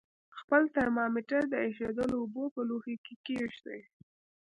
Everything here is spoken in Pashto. خپل ترمامتر د ایشېدلو اوبو په لوښي کې کیږدئ.